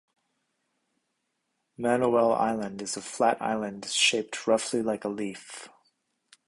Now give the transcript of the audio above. Manoel Island is a flat island shaped roughly like a leaf.